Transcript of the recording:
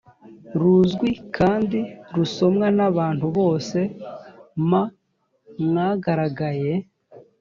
ruzwi kandi rusomwa n abantu bose m mwagaragaye